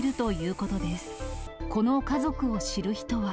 この家族を知る人は。